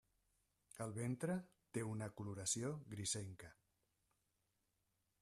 El ventre té una coloració grisenca.